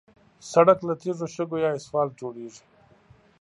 سړک له تیږو، شګو یا اسفالت جوړېږي.